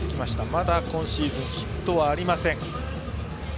まだ今シーズンヒットはありません。